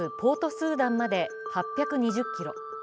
スーダンまで８２０ｋｍ。